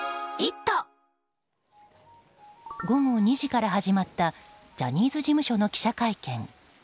午後２時から始まったジャニーズ事務所の記者会見。